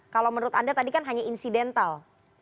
kalau menurut anda tadi kan hanya insidental